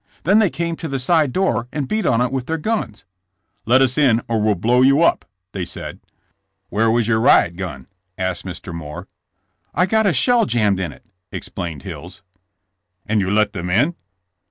Then they came to the side door and beat on it with their guns. " 'Let us in or we'll blow you up!' they said." "Where was your riot gun?" asked Mr. Moore. "I got a shell jammed in it," explained Hills. "And you let them in?"